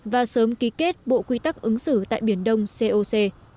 và sớm ký kết bộ quy tắc ứng xử tại biển đông coc